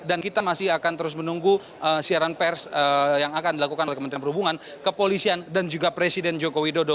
dan kita masih akan terus menunggu siaran pers yang akan dilakukan oleh kementerian perhubungan kepolisian dan juga presiden joko widodo